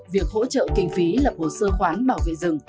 việc hỗ trợ kinh phí lập hồ sơ khoán bảo vệ rừng